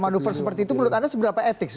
manuver seperti itu menurut anda seberapa etik